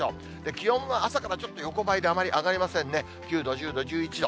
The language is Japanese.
気温は朝からちょっと横ばいであまり上がりませんね、９度、１０度、１１度。